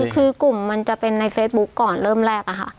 คือกลุ่มมันจะเป็นในเฟซบุ๊คก่อนเริ่มแรกอะค่ะ